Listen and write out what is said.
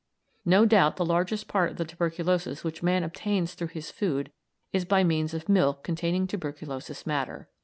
No doubt the largest part of the tuberculosis which man obtains through his food is by means of milk containing tuberculous matter."